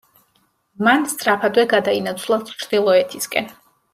მან სწრაფადვე გადაინაცვლა ჩრდილოეთისკენ.